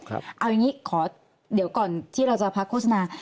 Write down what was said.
เอาอย่างนี้ขอเดี๋ยวก่อนที่เราจะพักโฆษณา